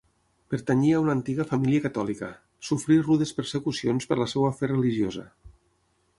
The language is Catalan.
Pertanyia a una antiga família catòlica; sofrí rudes persecucions per la seva fe religiosa.